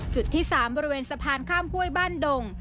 จุดที่๓บริเวณสะพานข้ามห้วยบ้านดง